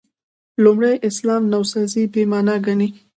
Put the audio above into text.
لومړي اسلام نوسازي «بې معنا» ګڼي.